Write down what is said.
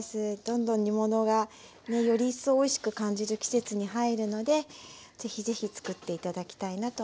どんどん煮物がねより一層おいしく感じる季節に入るので是非是非作って頂きたいなと思います。